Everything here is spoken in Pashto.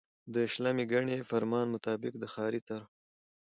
د شلمي ګڼي فرمان مطابق د ښاري طرحو